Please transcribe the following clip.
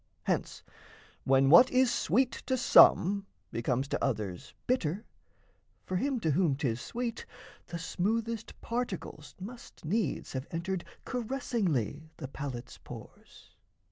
Hence when what is sweet to some, Becomes to others bitter, for him to whom 'Tis sweet, the smoothest particles must needs Have entered caressingly the palate's pores.